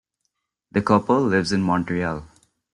The couple lives in Montreal.